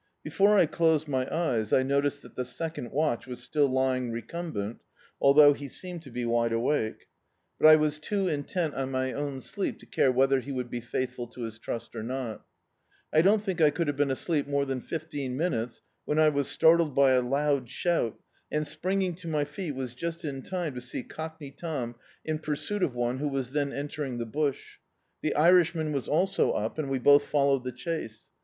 Before I closed my eyes I noticed that the secraid watch was still lying recumbent, although he seemed to be wide awake; but I was too intent D,i.,.db, Google The Autobiography of a Super Tramp on my own sleep to care whether be would be faithful to his trust or noL I don't think I could have been asleep more than fifteen minutes when I was startled by a loud shout and, springing to my feet was just in time to see Cockney Tom in pursuit of one who was then entering the bush. The Irishman was also up, and we both followed the chase.